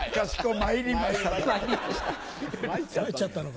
参っちゃったのか？